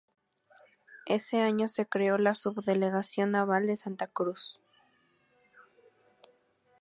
Ese año se creó la Subdelegación Naval de Santa Cruz.